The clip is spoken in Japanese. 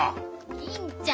銀ちゃん。